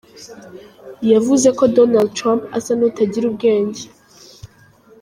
Yavuze ko Donald Trump asa n’utagira ubwenge.